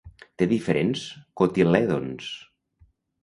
Té diferents cotilèdons.